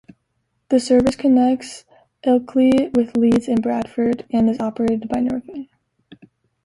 The service connects Ilkley with Leeds and Bradford, and is operated by Northern.